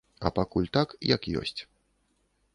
А пакуль так, як ёсць.